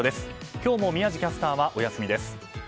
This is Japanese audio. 今日も宮司キャスターはお休みです。